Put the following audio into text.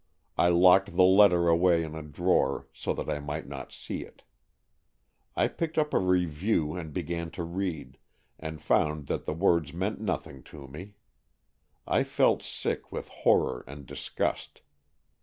I locked the letter away in a drawer, so that I might not see it. I picked up a review and began to read, and found that the words meant nothing to me. I felt sick with horror and disgust.